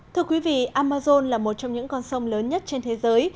thưa quý vị amazon là một trong những con sông lớn nhất trên thế giới